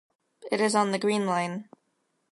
It is on the Green Line.